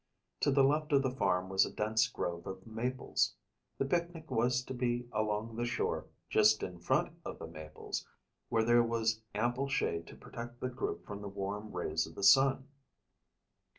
To the left of the farm was a dense grove of maples. The picnic was to be along the shore just in front of the maples where there was ample shade to protect the group from the warm rays of the sun.